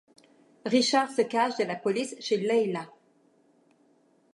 Richard se cache de la police chez Layla.